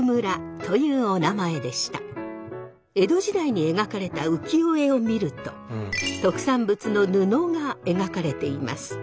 江戸時代に描かれた浮世絵を見ると特産物の布が描かれています。